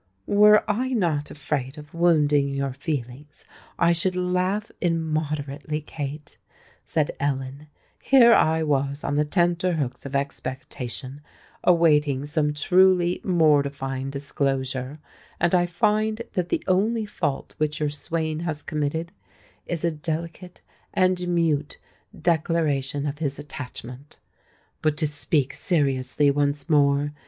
"Were I not afraid of wounding your feelings, I should laugh immoderately, Kate," said Ellen. "Here was I on the tenter hooks of expectation—awaiting some truly mortifying disclosure; and I find that the only fault which your swain has committed, is a delicate and mute declaration of his attachment. But to speak seriously once more.